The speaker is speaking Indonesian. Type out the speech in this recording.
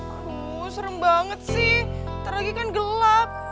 aduh serem banget sih ntar lagi kan gelap